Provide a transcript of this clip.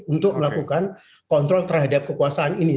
untuk melakukan kontrol terhadap kekuasaan ini